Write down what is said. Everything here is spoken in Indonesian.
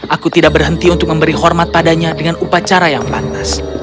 aku tidak berhenti untuk memberi hormat padanya dengan upacara yang pantas